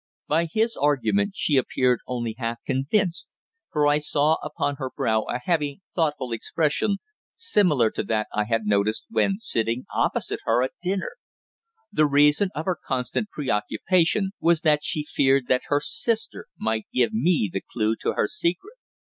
By his argument she appeared only half convinced, for I saw upon her brow a heavy, thoughtful expression, similar to that I had noticed when sitting opposite her at dinner. The reason of her constant preoccupation was that she feared that her sister might give me the clue to her secret.